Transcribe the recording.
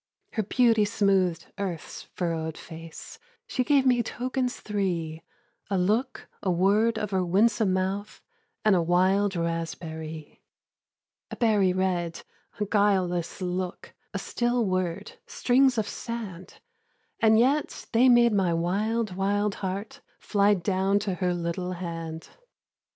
Her beauty smoothed earth's furrowed face! She gave me tokens three: A look, a word of her winsome mouth, And a wild raspberry. A berry red, a guileless look, A still word, strings of sand! And yet they made my wild, wild heart Fly down to her little hand.